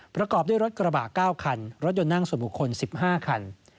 ประกอบด้วยรถกระบะ๙คันรถยนต์นั่งส่วนบุคคล๑๕คัน